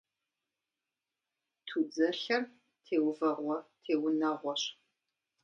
Тудзэлъэр теувэгъуэ теунэгъуэщ.